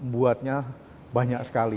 buatnya banyak sekali